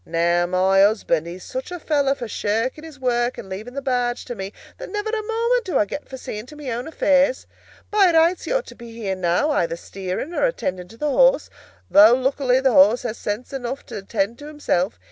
Now my husband, he's such a fellow for shirking his work and leaving the barge to me, that never a moment do I get for seeing to my own affairs. By rights he ought to be here now, either steering or attending to the horse, though luckily the horse has sense enough to attend to himself.